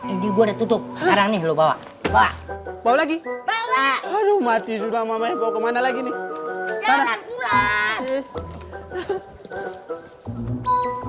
ini gue tutup sekarang nih lu bawa bawa lagi aduh mati sudah mama yang kemana lagi nih